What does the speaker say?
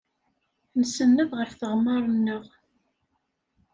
Nsenned ɣef tɣemmar-nneɣ.